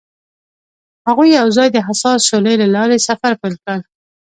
هغوی یوځای د حساس شعله له لارې سفر پیل کړ.